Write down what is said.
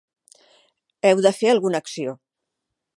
Heu de fer alguna acció.